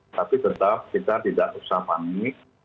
tapi tetap kita tidak usah panik